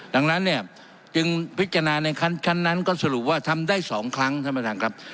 ดังนั้นเนี่ยจึงพิจารณาในชั้นนั้นก็สรุปว่าทำได้๒ครั้งท่านประธานครับ